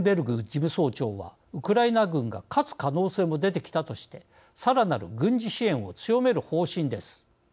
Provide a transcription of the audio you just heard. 事務総長はウクライナ軍が勝つ可能性も出てきたとしてさらなる軍事支援を強める方針です。